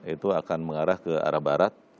itu akan mengarah ke arah barat